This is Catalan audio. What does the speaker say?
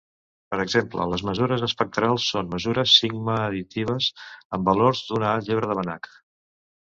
Per exemple, les mesures espectrals són mesure sigma-additives amb valors d'una àlgebra de Banach.